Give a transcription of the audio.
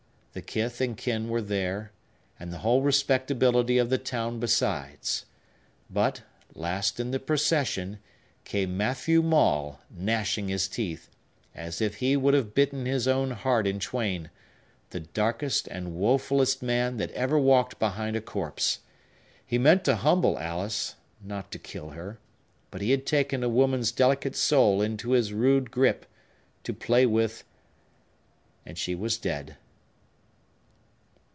The kith and kin were there, and the whole respectability of the town besides. But, last in the procession, came Matthew Maule, gnashing his teeth, as if he would have bitten his own heart in twain,—the darkest and wofullest man that ever walked behind a corpse! He meant to humble Alice, not to kill her; but he had taken a woman's delicate soul into his rude gripe, to play with—and she was dead!